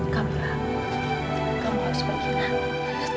kamu harus pergi nam